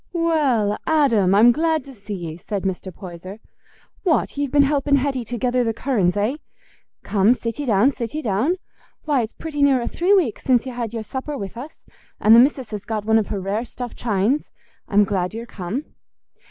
"Well, Adam, I'm glad to see ye," said Mr. Poyser. "What! ye've been helping Hetty to gether the curran's, eh? Come, sit ye down, sit ye down. Why, it's pretty near a three week since y' had your supper with us; and the missis has got one of her rare stuffed chines. I'm glad ye're come."